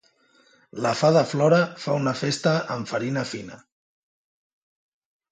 La fada Flora fa una festa amb farina fina.